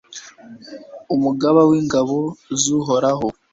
umugaba w'ingabo z'uhoraho